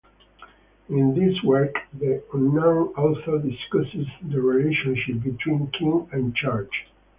In this work, the unknown author discussed the relationship between King and Church.